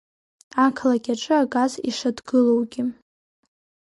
Ақалақь аҿы агаз ишадгылоугьы…